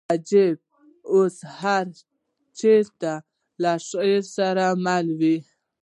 تعجب اوس هر چېرته له شعر سره مل وي